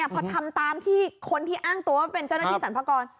พอทำตามที่คนที่อ้างตัวว่าเป็นเจ้าหน้าที่สรรพากร